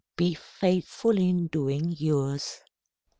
Be faithful in doing yours."